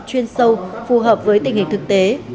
chuyên sâu phù hợp với tình hình thực tế